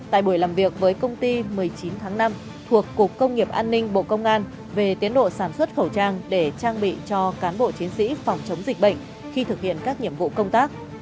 tại buổi làm việc với công ty một mươi chín tháng năm thuộc cục công nghiệp an ninh bộ công an về tiến độ sản xuất khẩu trang để trang bị cho cán bộ chiến sĩ phòng chống dịch bệnh khi thực hiện các nhiệm vụ công tác